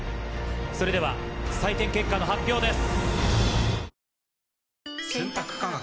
それでは採点結果の発表です。